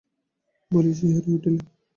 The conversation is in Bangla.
বলিয়া শিহরিয়া উঠিলেন।